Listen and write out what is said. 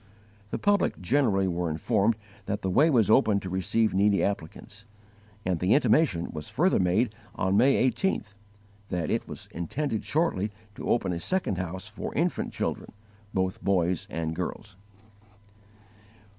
The public generally were informed that the way was open to receive needy applicants, and the intimation was further made on May 18th that it was intended shortly to open a second house for infant children both boys and girls.